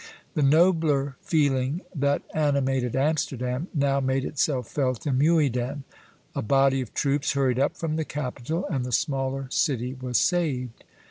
The nobler feeling that animated Amsterdam now made itself felt in Muyden; a body of troops hurried up from the capital, and the smaller city was saved.